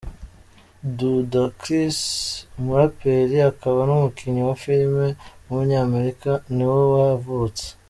Rudacriss, umuraperi akaba n’umukinnyi wa film w’umunyamerika ni bwo yavutse.